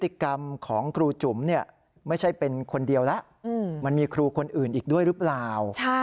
ติกรรมของครูจุ๋มไม่ใช่เป็นคนเดียวแล้วมันมีครูคนอื่นอีกด้วยหรือเปล่า